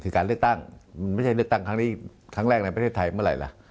คือการเลือกตั้งมันไม่ใช่เลือกตั้งครั้งนี้ครั้งแรกในประเทศไทยเมื่อไหร่ล่ะ